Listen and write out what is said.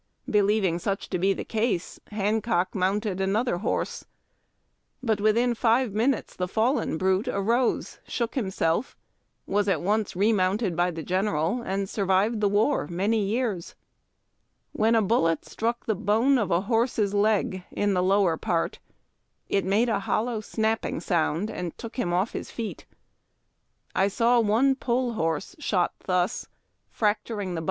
Believ ing such to be the case, Hancock mounted another horse ; but within five minutes the fallen brute arose, shook him self, was at once remounted by the general, and survived the war many years. When a bullet struck the bone of a horse's leg in the lower part, it made a hollow snapping sound and took him off his feet. I saw one pole horse shot thus, fracturing the 328 HARD TACK AND COFFEE.